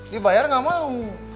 dibayar gak mau